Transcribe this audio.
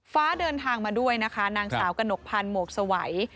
ฟ้าเดินทางมาด้วยนะคะนางสาวกระหนกพันธ์หมวกสวัย